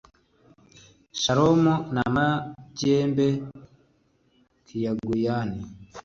Shalom Namagembe Kyagulanyi